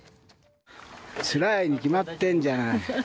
つらいに決まってんじゃない。